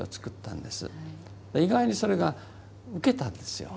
意外にそれが受けたんですよ。